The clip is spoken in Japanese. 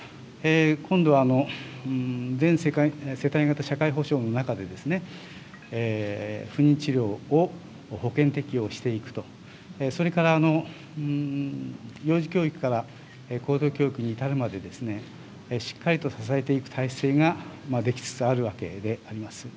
今度、全世帯型社会保障の中で、不妊治療を保険適用していくと、それから幼児教育から高等教育に至るまで、しっかりと支えていく体制が出来つつあるわけであります。